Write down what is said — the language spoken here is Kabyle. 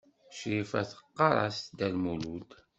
Crifa teɣɣar-as Dda Lmulud.